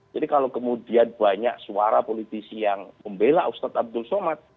jadi kalau kemudian banyak suara politisi yang membela ustadz abdul salman